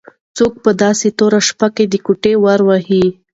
څوک په داسې توره شپه کې د کوټې ور وهي؟